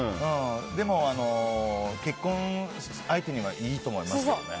でも、結婚相手にはいいと思いますけどね。